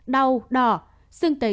đau đỏ sưng tấy